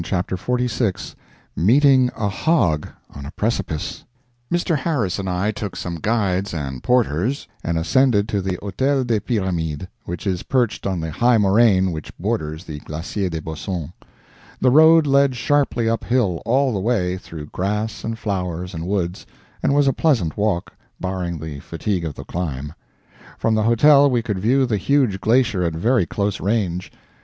CHAPTER XLVI [Meeting a Hog on a Precipice] Mr. Harris and I took some guides and porters and ascended to the Hotel des Pyramides, which is perched on the high moraine which borders the Glacier des Bossons. The road led sharply uphill, all the way, through grass and flowers and woods, and was a pleasant walk, barring the fatigue of the climb. From the hotel we could view the huge glacier at very close range.